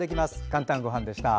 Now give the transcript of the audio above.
「かんたんごはん」でした。